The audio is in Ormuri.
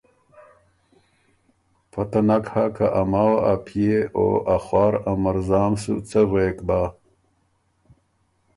پته نک هۀ که ا ماوه ا پئے او ا خوار ا مرزام سُو څۀ غوېک بۀ۔